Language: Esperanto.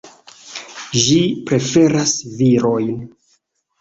Ĝi preferas virojn.